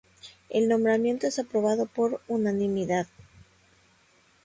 El nombramiento es aprobado por unanimidad.